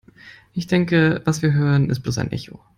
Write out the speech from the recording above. Ich denke, was wir hören, ist bloß ein Echo.